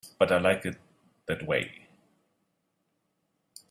But I like it that way.